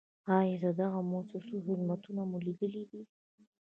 آیا د دغو مؤسسو خدمتونه مو لیدلي دي؟